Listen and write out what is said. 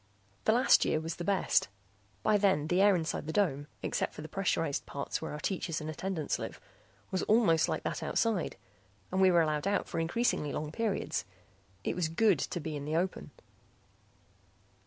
The last year was the best. By then the air inside the dome except for the pressurized parts where our teachers and attendants live was almost like that outside, and we were allowed out for increasingly long periods. It is good to be in the open.